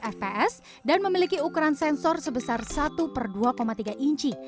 fps dan memiliki ukuran sensor sebesar satu per dua tiga inci